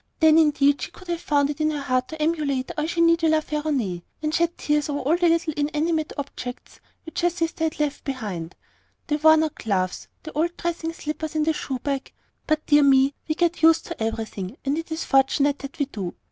Then indeed she could have found it in her heart to emulate Eugénie de la Ferronayes, and shed tears over all the little inanimate objects which her sister had left behind, the worn out gloves, the old dressing slippers in the shoe bag. But dear me, we get used to everything, and it is fortunate that we do!